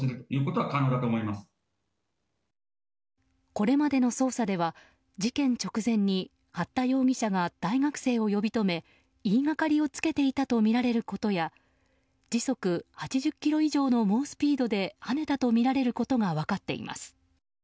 これまでの捜査では事件直前に八田容疑者が大学生を呼び止め言いがかりをつけていたとみられることや時速８０キロ以上の猛スピードではねたとみられることが分かっています。